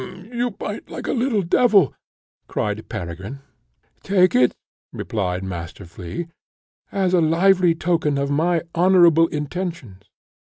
"You bite like a little devil!" cried Peregrine. "Take it," replied Master Flea, "as a lively token of my honourable intentions.